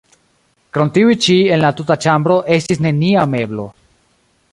Krom tiuj ĉi en la tuta ĉambro estis nenia meblo.